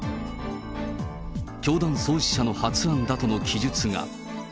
教団創始者の発案だとの記述が。